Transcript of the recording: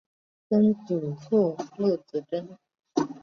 曾祖父陆子真。